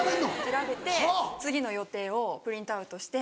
調べて次の予定をプリントアウトして。